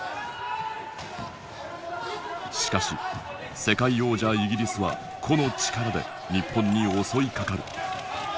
しかし世界王者イギリスは個の力で日本に襲いかかる。